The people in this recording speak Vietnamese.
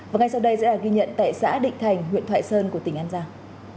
và ngay sau đây sẽ là ghi nhận tại xã định thành huyện thoại sơn của tỉnh an giang